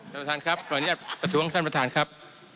ประธานครับขออนุญาตประท้วงท่านประธานครับ